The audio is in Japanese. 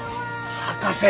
博士！